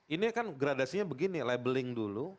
ini kan gradasinya begini labeling dulu